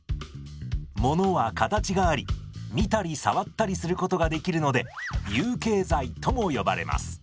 ものは形があり見たり触ったりすることができるので有形財とも呼ばれます。